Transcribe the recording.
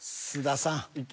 菅田さん。